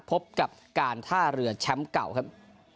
พบกับการท่าเรือแชมป์เก่าครับ